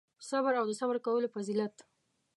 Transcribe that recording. صبر او د صبر کولو فضیلت